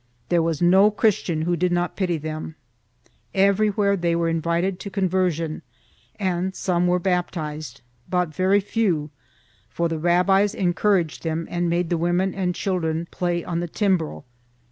There was no Christian who did not pity them; everywhere they were invited to conversion and some were baptized, but very few, for the rabbis encouraged them and made the women and children play on the timbrel.